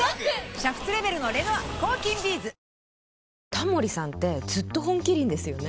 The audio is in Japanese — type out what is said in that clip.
タモリさんってずっと「本麒麟」ですよね。